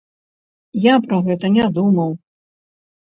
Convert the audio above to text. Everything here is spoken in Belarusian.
Пра гэта не думаў.